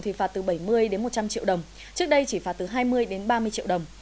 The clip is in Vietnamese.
thì phạt từ bảy mươi đến một trăm linh triệu đồng trước đây chỉ phạt từ hai mươi đến ba mươi triệu đồng